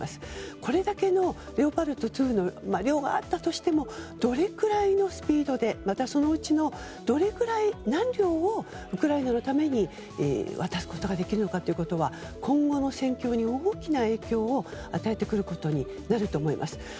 これだけのレオパルト２の量があったとしてもどれくらいのスピードでまた、そのうちのどのくらい何両をウクライナのために渡すことができるのかは今後の戦況に大きな影響を与えてくることになると思います。